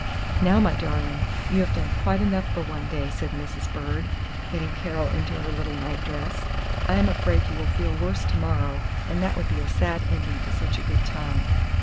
"Now, my darling, you have done quite enough for one day," said Mrs. Bird, getting Carol into her little night dress; "I am afraid you will feel worse to morrow, and that would be a sad ending to such a good time."